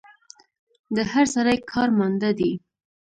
د هر سړي کار ماندۀ دی